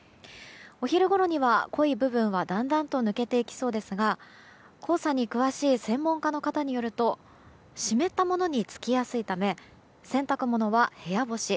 お昼ごろには濃い部分はだんだんと抜けていきそうで宇賀黄砂に詳しい専門家の方によると湿ったものにつきやすいため洗濯物は部屋干し。